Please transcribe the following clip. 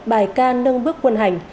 bài ca nâng bước quân hành